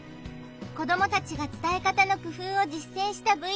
子どもたちが伝え方の工夫を実践したＶＴＲもあるよ！